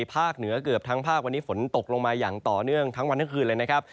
เหนือเกือบทั้งภาควันนี้ฝนตกลงมาอย่างต่อเนื่องทั้งวันทั้งคืนเลยนะครับ